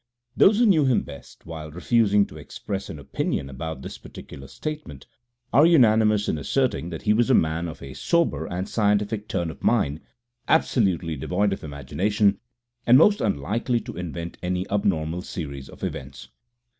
Those who knew him best, while refusing to express an opinion upon this particular statement, are unanimous in asserting that he was a man of a sober and scientific turn of mind, absolutely devoid of imagination, and most unlikely to invent any abnormal series of events.